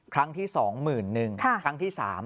ครั้งที่๒หมื่นนึงครั้งที่๓